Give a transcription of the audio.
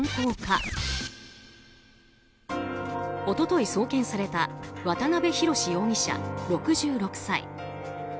一昨日送検された渡辺宏容疑者、６６歳。